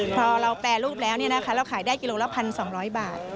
พอเราแปรรูปแล้วเราขายได้กิโลละ๑๒๐๐บาท